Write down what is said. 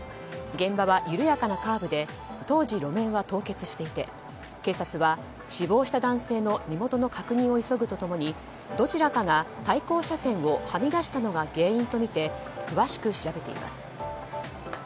現場は緩やかなカーブで当時、路面は凍結していて警察は死亡した男性の身元の確認を急ぐと共にどちらかが対向車線をはみ出したのが原因とみて詳しく調べています。